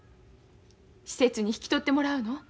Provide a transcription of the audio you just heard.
施設に引き取ってもらうの？